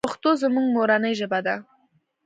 پښتو زموږ مورنۍ ژبه ده .